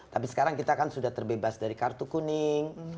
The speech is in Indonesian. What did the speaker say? tapi sekarang kita kan sudah terbebas dari kartu kuning